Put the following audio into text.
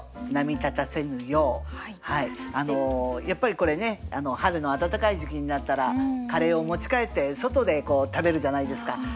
やっぱり春の暖かい時期になったらカレーを持ち帰って外で食べるじゃないですか。